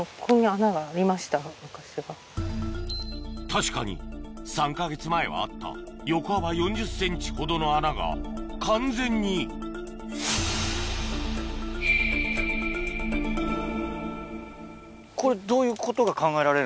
確かに３か月前はあった横幅４０ｃｍほどの穴が完全にでもそれはさ。ですよね。